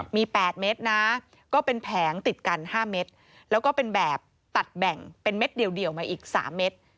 มี๘เม็ดนะก็เป็นแผงติดกัน๕เม็ดแล้วก็เป็นแบบตัดแบ่งเป็นเม็ดเดี่ยวมาอีก๓เม็ด